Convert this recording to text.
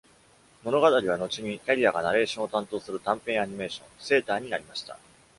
物語は後に、キャリアがナレーションを担当する短編アニメーション「セーター」になりました。